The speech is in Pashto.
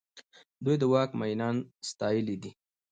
دوی د واک مينان ستايلي دي.